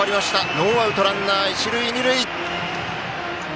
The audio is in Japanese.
ノーアウトランナー、一塁二塁。